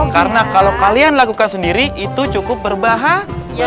karena kalau kalian lakukan sendiri itu cukup berbahaya